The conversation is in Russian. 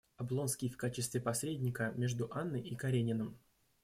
Облонский в качестве посредника между Анной и Карениным.